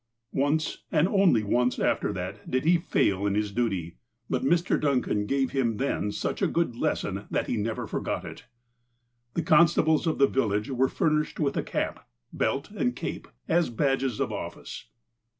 LEGAIC 161 Once, and only once, after that, did he fail in his duty, but Mr. Duncan gave him then such a good lesson that he never forgot it : The constables of the village were furnished with a cap, belt and cape, as badges of office.